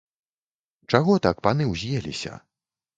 Чаго так паны ўз'еліся?